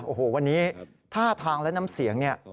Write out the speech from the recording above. โอ้โหวันนี้ท่าทางและน้ำเสียงเนี่ย